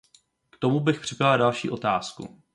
K tomu bych připojila další otázku.